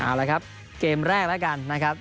เอาละครับเกมแรกแล้วกันนะครับ